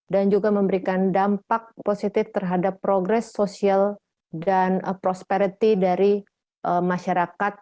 dan juga memberikan dampak positif terhadap progres sosial dan prosperity dari masyarakat